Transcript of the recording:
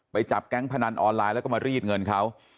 จับแก๊งพนันออนไลน์แล้วก็มารีดเงินเขา